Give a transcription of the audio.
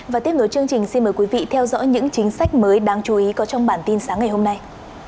và tiếp nối chương trình xin mời quý vị theo dõi những chính sách mới đáng chú ý có trong bản tin sáng ngày hôm nay